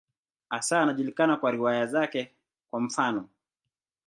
Hasa anajulikana kwa riwaya zake, kwa mfano.